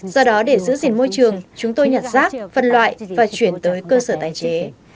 do đó để giữ gìn môi trường chúng tôi nhặt rác phân loại và chuyển tới cơ sở tái chế